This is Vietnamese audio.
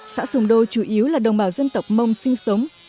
xã sùm đô chủ yếu là đồng bào dân tộc mong sinh sống